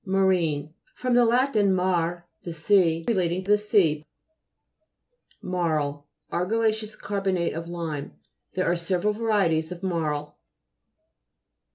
MARINE fr. lat. mare, the sea. Re lating to the sea. MAUL Argillaceous carbonate of lime. There are several varieties of marl.